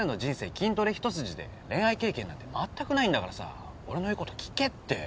筋トレ一筋で恋愛経験なんて全くないんだからさ俺の言うこと聞けって！